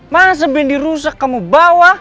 masa bendi rusak kamu bawa